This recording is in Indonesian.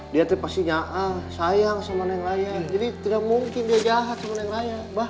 dia itu pasti nyakal sayang sama neng raya jadi tidak mungkin dia jahat sama neng raya